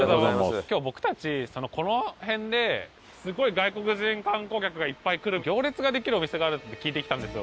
すごい外国人観光客がいっぱい来る行列ができるお店があるって聞いてきたんですよ。